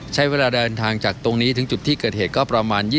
ใช้เวลาเดินทางจากตรงนี้ถึงจุดที่เกิดเหตุก็ประมาณ